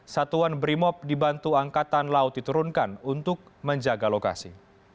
satuan brimob dibantu angkatan laut diturunkan untuk menjaga lokasi